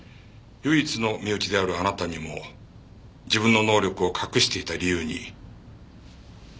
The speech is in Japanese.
唯一の身内であるあなたにも自分の能力を隠していた理由に何か心当たりは？